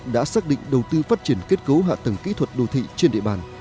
đã xác định đầu tư phát triển kết cấu hạ tầng kỹ thuật đô thị trên địa bàn